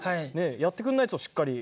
やってくんないとしっかり。